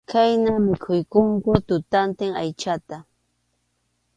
Khayna mikhuykunku tutantin aychata.